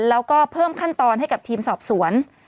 แล้วก็เพิ่มขั้นตอนให้กับทีมสอบสวน